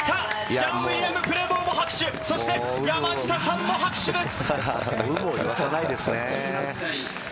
ジャン・ウイリアム・プレボーも拍手、山下さんも拍手です。